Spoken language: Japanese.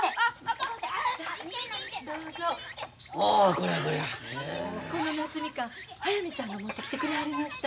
この夏みかん速水さんが持ってきてくれはりました。